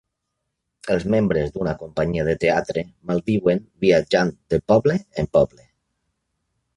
Els membres d'una companyia de teatre malviuen viatjant de poble en poble.